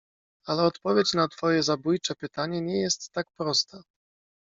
"Ale odpowiedź na twoje zabójcze pytanie nie jest tak prosta."